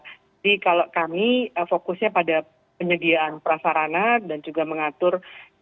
jadi kalau kami fokusnya pada penyediaan prasarana dan juga mengatur